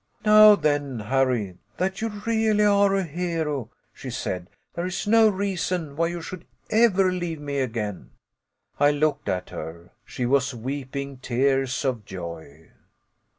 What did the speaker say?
"Now then, Harry, that you really are a hero," she said, "there is no reason why you should ever leave me again." I looked at her. She was weeping tears of joy.